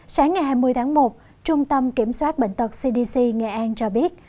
sáng ngày hai mươi tháng một trung tâm kiểm soát bệnh tật cdc nghệ an cho biết